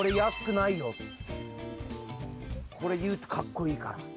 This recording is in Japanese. これいうとかっこいいから。